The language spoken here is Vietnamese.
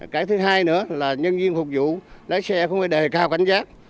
cái thứ hai nữa là nhân viên phục vụ lái xe không phải đề cao cảnh sát